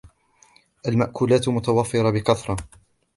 المأكولات متوفرة بكثرة.